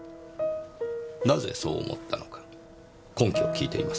なぜそう思ったのか根拠を聞いています。